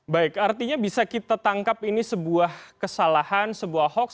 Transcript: baik artinya bisa kita tangkap ini sebuah kesalahan sebuah hoax